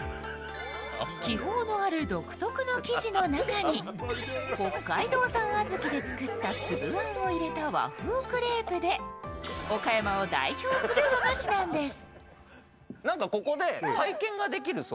気泡のある独特の生地の中に北海道産あずきで作った粒あんを入れた和風クレープで岡山を代表する和菓子なんです。